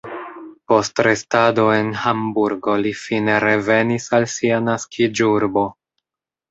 Post restado en Hamburgo li fine revenis al sia naskiĝurbo.